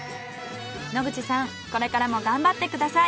野口さんこれからも頑張ってください。